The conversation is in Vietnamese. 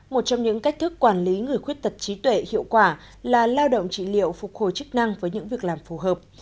một trong những cách thức quản lý người khuyết tật trí tuệ hiệu quả là lao động trí liệu phục hồi chức năng với những việc làm phù hợp